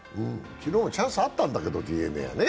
昨日チャンスあったんだけどね、